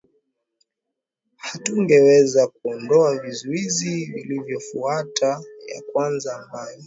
hatungeweza kuondoa vizuizi vilivyofuata ya kwanza ambayo